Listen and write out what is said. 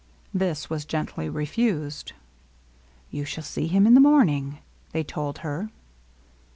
This was gently refused. ^^ You shall see him in the morning/' they told her.